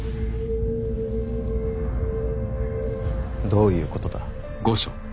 どういうことだ。